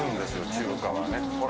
中華はね。